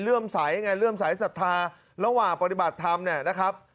เริ่มใสไงเลื่อมสายศรัทธาระหว่างปฏิบัติธรรมเนี่ยนะครับ